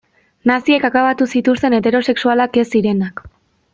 Naziek akabatu zituzten heterosexualak ez zirenak.